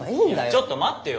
ちょっと待ってよ。